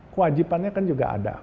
kewajipannya kan juga ada